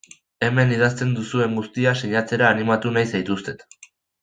Hemen idazten duzuen guztia sinatzera animatu nahi zaituztet.